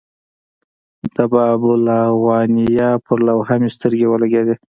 د باب الغوانمه پر لوحه مې سترګې ولګېدې.